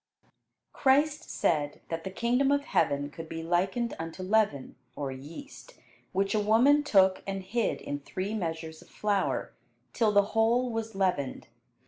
Christ said that the kingdom of heaven could be likened unto leaven (or yeast), which a woman took and hid in three measures of flour, till the whole was leavened.